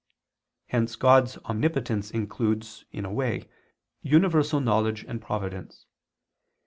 Hence God's omnipotence includes, in a way, universal knowledge and providence.